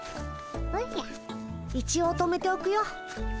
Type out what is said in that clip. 一応止めておくよ。